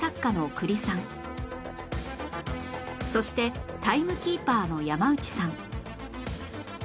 そしてタイムキーパーの山内さん